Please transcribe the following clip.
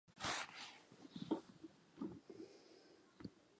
一个地理信息系统是一种具有信息系统空间专业形式的数据管理系统。